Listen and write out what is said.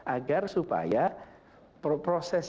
agar supaya proses